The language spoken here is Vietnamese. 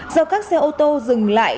do các xe ô tô dừng lại